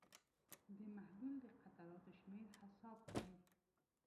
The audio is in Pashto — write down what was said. د محلول د قطراتو شمېر حساب کړئ.